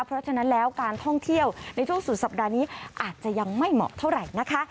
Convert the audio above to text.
เพราะฉะนั้นแล้วการท่องเที่ยวในช่วงสุดสัปดาห์นี้อาจจะยังไม่เหมาะเท่าไหร่นะคะ